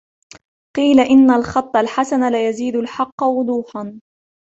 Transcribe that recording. قِيلَ إنَّ الْخَطَّ الْحَسَنَ لَيَزِيدُ الْحَقَّ وُضُوحًا